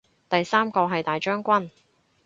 第三個係大將軍